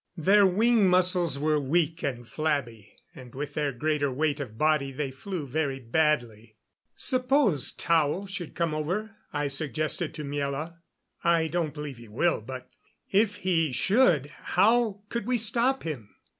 Their wing muscles were weak and flabby, and with their greater weight of body they flew very badly. "Suppose Tao should come over?" I suggested to Miela. "I don't believe he will but if he should, how could we stop him?"